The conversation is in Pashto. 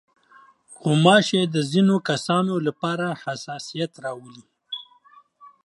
غوماشې د ځينو کسانو لپاره حساسیت راولي.